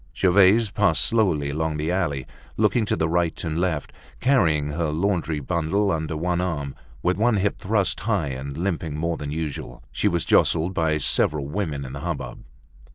Gervaise passed slowly along the alley, looking to the right and left, carrying her laundry bundle under one arm, with one hip thrust high and limping more than usual. She was jostled by several women in the hubbub.